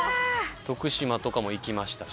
徳島とかも行きましたし。